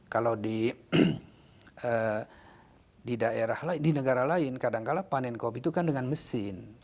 kalau di negara lain kadangkala panen kopi itu kan dengan mesin